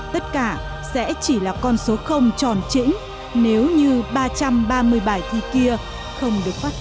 tất cả sẽ chỉ là con số tròn chỉnh nếu như ba trăm ba mươi bài thi kia không được phát hiện